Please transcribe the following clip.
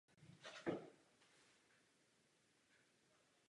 I to je velmi pozitivním znamením.